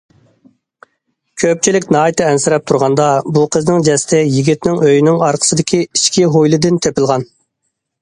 كۆپچىلىك ناھايىتى ئەنسىرەپ تۇرغاندا بۇ قىزنىڭ جەسىتى يىگىتىنىڭ ئۆيىنىڭ ئارقىسىدىكى ئىچكى ھويلىدىن تېپىلغان.